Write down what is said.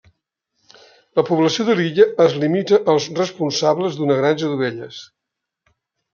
La població de l'illa es limita als responsables d'una granja d'ovelles.